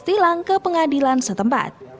tilang ke pengadilan setempat